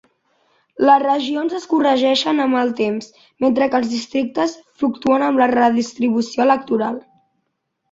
Les regions es corregeixen amb el temps, mentre que els districtes fluctuen amb la redistribució electoral.